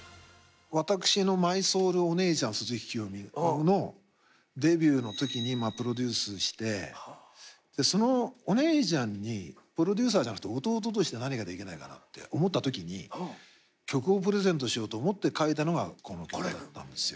私のマイソウルお姉ちゃん鈴木聖美のデビューの時にプロデュースしてでそのお姉ちゃんにプロデューサーじゃなくて弟として何かできないかなって思った時に曲をプレゼントしようと思って書いたのがこの曲だったんですよ。